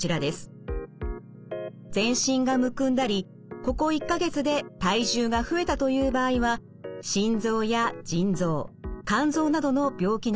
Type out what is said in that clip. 全身がむくんだりここ１か月で体重が増えたという場合は心臓や腎臓肝臓などの病気の疑いがあります。